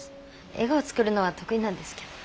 笑顔作るのは得意なんですけど。